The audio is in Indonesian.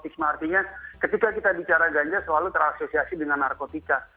stigma artinya ketika kita bicara ganja selalu terasosiasi dengan narkotika